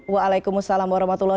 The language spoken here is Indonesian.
waalaikumsalam warahmatullahi wabarakatuh